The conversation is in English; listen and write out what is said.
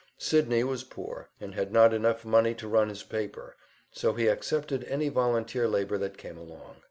Sydney was poor, and had not enough money to run his paper, so he accepted any volunteer labor that came along.